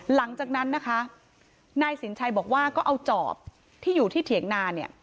หลังจากนั้นนะคะนายสินชัยบอกว่าก็เอาจอบที่อยู่ที่เถียงนาเนี่ย